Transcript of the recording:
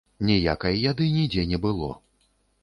Ніякай яды нідзе не было.